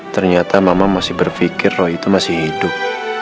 ternyata mama masih berpikir oh itu masih hidup